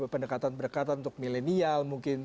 pendekatan pendekatan untuk milenial mungkin